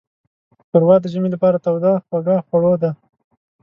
ښوروا د ژمي لپاره توده خوږه خوړو ده.